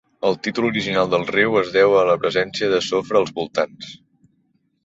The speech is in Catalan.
El títol original del riu es deu a la presència de sofre als voltants.